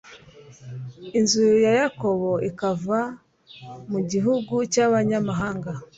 inzu ya Yakobo ikava mu gihugu cy’abanyamahanga